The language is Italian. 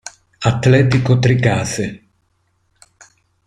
Atletico Tricase.